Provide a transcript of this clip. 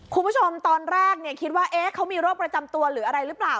คุณผู้ชมตอนแรกคิดว่าเขามีโรคประจำตัวหรืออะไรหรือเปล่า